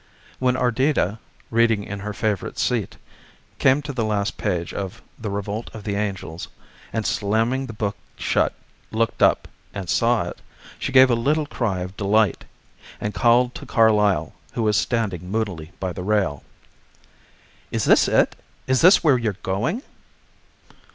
When Ardita, reading in her favorite seat, came to the last page of The Revolt of the Angels, and slamming the book shut looked up and saw it, she gave a little cry of delight, and called to Carlyle, who was standing moodily by the rail. "Is this it? Is this where you're going?"